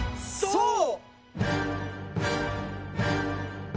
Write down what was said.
そう！